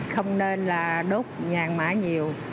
không nên là đốt nhang mã nhiều